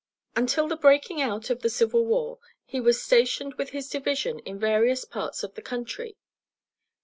Until the breaking out of the civil war he was stationed with his division in various parts of the country.